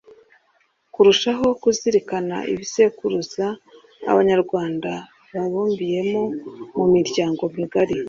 Kurushaho kuzirikana ibisekuruza Abanyarwanda babumbiyemo mu miryango migari